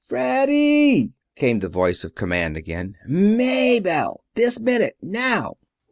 "Fred dee!" came the voice of command again. "May belle! This minute, now!"